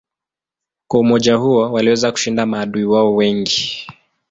Kwa umoja huo waliweza kushinda maadui wao wengi.